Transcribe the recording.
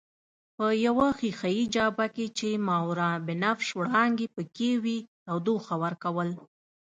په یوې ښیښه یي جابه کې چې ماورابنفش وړانګې پکښې وې تودوخه ورکول.